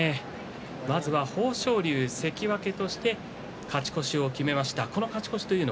豊昇龍関脇として勝ち越しを決めました。